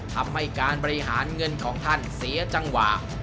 ทำให้การบริหารเงินของท่านเสียจังหวะ